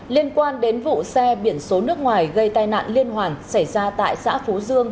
liên quan đến vụ xe biển số nước ngoài gây tai nạn liên hoàn xảy ra tại xã phú dương